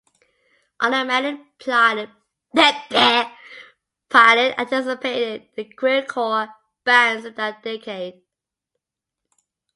Automatic Pilot anticipated the queercore bands by a decade.